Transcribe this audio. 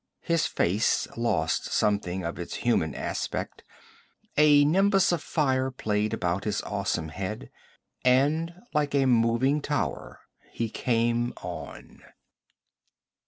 His face lost something of its human aspect, a nimbus of fire played about his awesome head, and like a moving tower he came on.